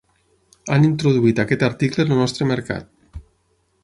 Han introduït aquest article en el nostre mercat.